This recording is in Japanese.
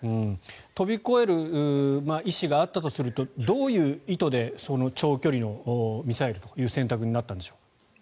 飛び越える意思があったとするとどういう意図で長距離のミサイルという選択になったんでしょう。